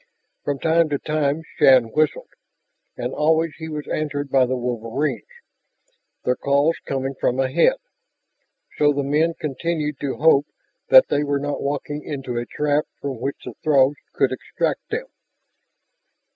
From time to time Shann whistled. And always he was answered by the wolverines, their calls coming from ahead. So the men continued to hope that they were not walking into a trap from which the Throgs could extract them.